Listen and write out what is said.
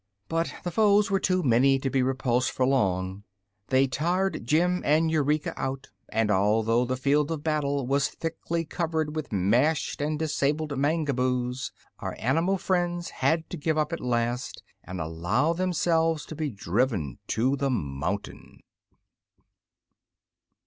But the foes were too many to be repulsed for long. They tired Jim and Eureka out, and although the field of battle was thickly covered with mashed and disabled Mangaboos, our animal friends had to give up at last and allow themselves to be driven to the mountain.